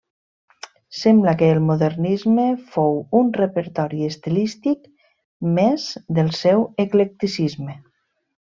Sembla que el modernisme fou un repertori estilístic més del seu eclecticisme.